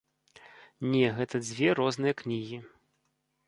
Не, гэта дзве розныя кнігі.